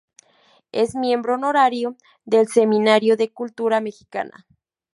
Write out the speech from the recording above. Es miembro honorario del Seminario de Cultura Mexicana.